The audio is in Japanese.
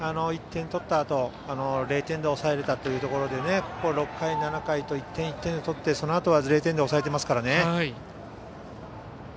１点取ったあと０点で抑えられたというところで６回７回と１点１点取ってそのあとは０点で抑えていますから。